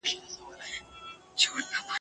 د جنګ خبري خوږې وي خو ساعت یې تریخ وي !.